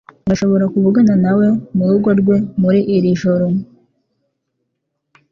Urashobora kuvugana nawe murugo rwe muri iri joro.